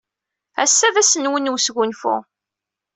Ass-a d ass-nwen n wesgunfu.